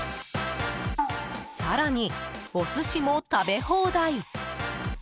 更に、お寿司も食べ放題！